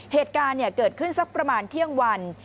เหตุการณ์เกิดขึ้นสักประมาณเที่ยงวัน